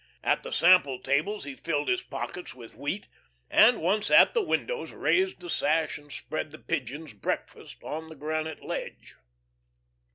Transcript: At the sample tables he filled his pockets with wheat, and once at the windows raised the sash and spread the pigeons' breakfast on the granite ledge.